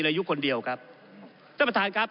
ก็ได้มีการอภิปรายในภาคของท่านประธานที่กรกครับ